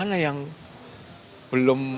karena ini putusannya sampai pk loh